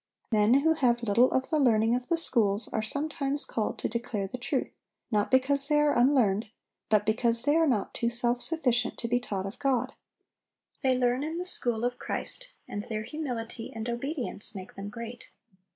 Men who have little of the learning of the schools are sometimes called to declare the truth, not because they are unlearned, but because they are not too self sufficient to be taught of God. They learn in the school of Christ, and their humility and obedience make them great.